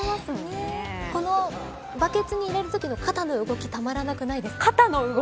バケツに入れるときの肩の動きたまらなくないですか。